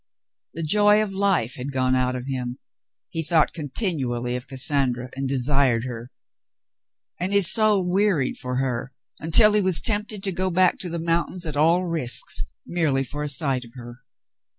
The joy of life had gone out for him. He thought con tinually of Cassandra and desired her ; and his soul wearied for her, until he was tempted to go back to the mountains at all risks, merely for a sight of her.